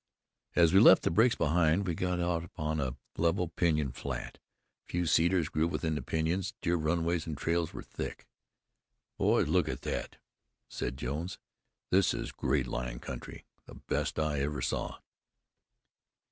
As we left the breaks behind we got out upon a level pinyon flat. A few cedars grew with the pinyons. Deer runways and trails were thick. "Boys, look at that," said Jones. "This is great lion country, the best I ever saw."